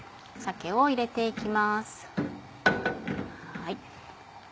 鮭を入れて行きます。